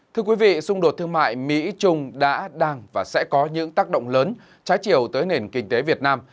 thưa quý vị xung đột thương mại mỹ trung đã đang và sẽ có những tác động lớn trái chiều tới nền kinh tế việt nam